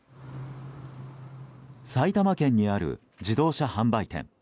埼玉県にある自動車販売店。